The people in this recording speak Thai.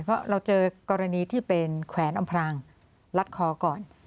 เพราะเราเจอกรณีที่เป็นแขวนอำพรางลัดคอก่อน